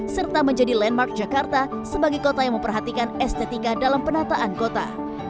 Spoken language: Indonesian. serta menjadi landmark jakarta sebagai kota yang memperhatikan estetika dalam penataan kota